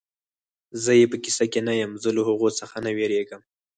زه یې په کیسه کې نه یم، زه له هغو څخه نه وېرېږم.